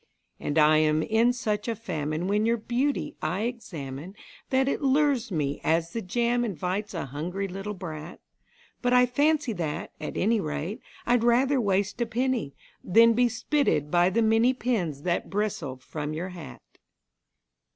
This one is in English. And I am in such a famine when your beauty I examine That it lures me as the jam invites a hungry little brat; But I fancy that, at any rate, I'd rather waste a penny Than be spitted by the many pins that bristle from your hat.